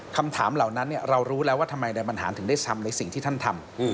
คำถามเหล่านั้นเรารู้แล้วว่าทำไมนายบรรหารถึงได้ทำในสิ่งที่ท่านทำ